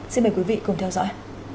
xin mời quý vị cùng theo dõi